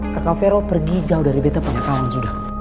kapten vero pergi jauh dari beta punya kawan sudah